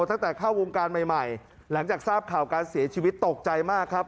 ตั้งแต่เข้าวงการใหม่ใหม่หลังจากทราบข่าวการเสียชีวิตตกใจมากครับ